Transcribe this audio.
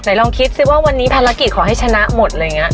ไหนลองคิดซิว่าวันนี้ภารกิจขอให้ชนะหมดเลยนะ